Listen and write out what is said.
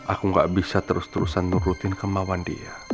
aku gak bisa terus terusan nurutin kemauan dia